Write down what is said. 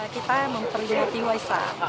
kita memperlihatkan waisat